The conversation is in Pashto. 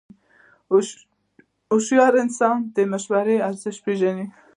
هوښیار انسان د مشورو ارزښت پېژني.